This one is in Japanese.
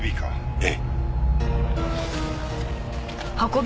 ええ。